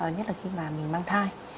nhất là khi mà mình mang thai